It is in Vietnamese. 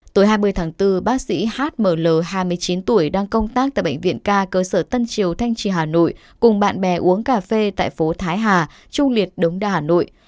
tối hai mươi tháng bốn bác sĩ hml hai mươi chín tuổi đang công tác tại bệnh viện ca cơ sở tân triều thanh trì hà nội cùng bạn bè uống cà phê tại phố thái hà trung liệt đống đa hà nội